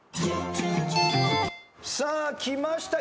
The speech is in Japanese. さあきました。